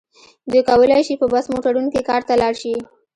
دوی کولای شي په بس موټرونو کې کار ته لاړ شي.